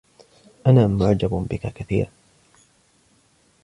أنا معجب بك كثيرًا.